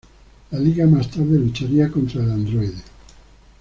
La Liga más tarde lucharía contra el androide.